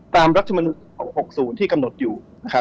ตามรัชมนุรกษ์อัล๖๐ที่กำหนดอยู่